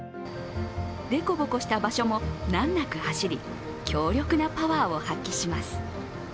でこぼこした場所も難なく走り、強力なパワーを発揮します。